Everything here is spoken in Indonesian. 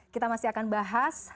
kita masih akan bahas